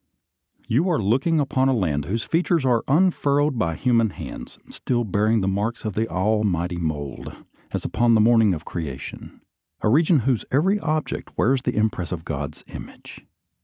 You are looking upon a land whose features are un furrowed by human hands, still bearing the marks of the Almighty mould, as upon the morning of creation; a region whose every object wears the impress of God's image.